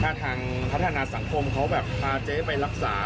ถ้าทางพัฒนาสังคมเขาแบบพาเจ๊ไปรักษา